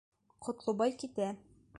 Ҡотлобай китә.